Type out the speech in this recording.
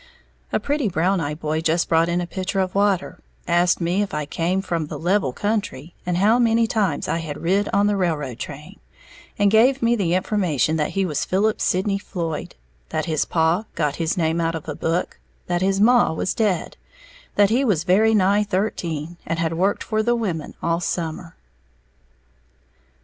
A pretty, brown eyed boy just brought in a pitcher of water, asked me if I came from the "level country" and how many times I had "rid" on the railroad train; and gave me the information that he was Philip Sidney Floyd, that his "paw" got his name out of a book, that his "maw" was dead, that he was "very nigh thirteen," and had worked for "the women" all summer.